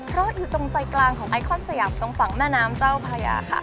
เพราะอยู่ตรงใจกลางของไอคอนสยามตรงฝั่งแม่น้ำเจ้าพระยาค่ะ